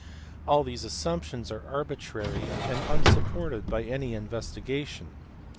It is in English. All these assumptions are arbitrary and unsupported by any investigation.